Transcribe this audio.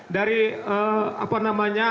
dari apa namanya